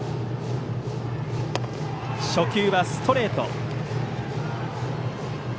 初球はストレート。